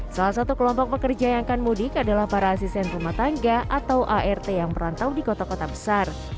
salah satu kelompok pekerja yang akan mudik adalah para asisten rumah tangga atau art yang merantau di kota kota besar